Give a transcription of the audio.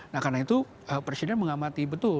nah karena itu presiden mengamati betul